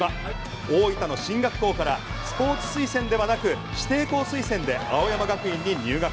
大分の進学校からスポーツ推薦ではなく指定校推薦で青山学院に入学。